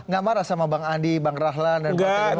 gak marah sama bang andi bang rahlan dan bang teguh